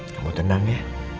kamu tenang ya